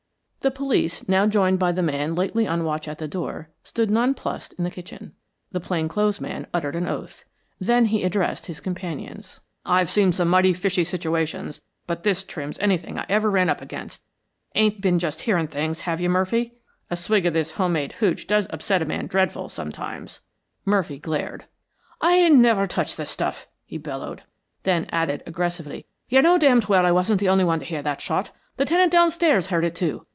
The police, now joined by the man lately on watch at the door, stood nonplussed in the kitchen. The plain clothes man uttered an oath. Then he addressed his companions. "I've seen some mighty fishy situations, but this trims anything I ever ran up against. Ain't been just hearing things, have you, Murphy? A swig of this home made hootch does upset a man dreadful, sometimes." Murphy glared. "I ain't never touched the stuff," he bellowed. Then added, aggressively, "You know damned well I wasn't the only one to hear that shot. The tenant downstairs heard it, too.